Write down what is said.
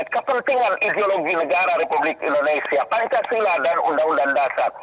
kepentingan ideologi negara republik indonesia pancasila dan undang undang dasar